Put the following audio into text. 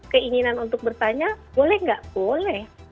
keinginan untuk bertanya boleh nggak boleh